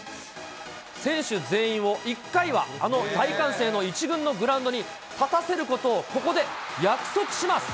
選手全員を１回はあの大歓声の１軍のグラウンドに立たせることをここで約束します。